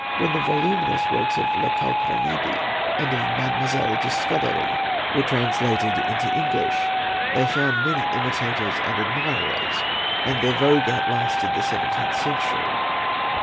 When the voluminous works of Le Calprenède and of Mademoiselle de Scudéry were translated into English, they found many imitators and admirers, and their vogue outlasted the seventeenth century.